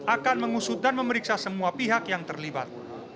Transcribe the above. akan mengusut dan memeriksa semua pihak yang terlibat